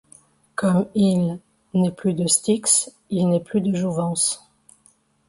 Comme il. n'est plus de Styx il n'est plus de Jouvence.